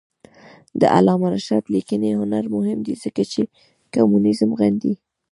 د علامه رشاد لیکنی هنر مهم دی ځکه چې کمونیزم غندي.